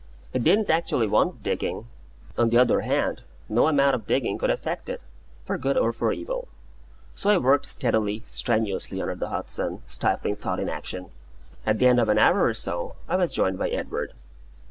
It didn't actually want digging; on the other hand, no amount of digging could affect it, for good or for evil; so I worked steadily, strenuously, under the hot sun, stifling thought in action. At the end of an hour or so, I was joined by Edward.